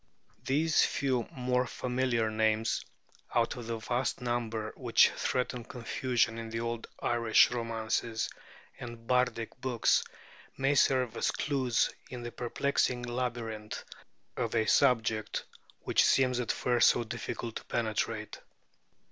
These few more familiar names, out of the vast number which threaten confusion in the old Irish romances and bardic books, may serve as clues in the perplexing labyrinth of a subject which seems at first so difficult to penetrate.